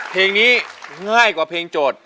เพลงนี้ง่ายกว่าเพลงโจทย์